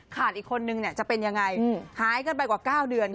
อีกคนนึงจะเป็นยังไงหายกันไปกว่า๙เดือน